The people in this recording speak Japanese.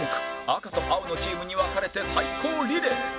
赤と青のチームに分かれて対抗リレー